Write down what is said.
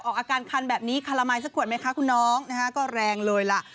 ออกอาการคันแบบนี้คารามัยสักขวดไหมคะคุณน้องนะคะก็แรงเลยล่ะ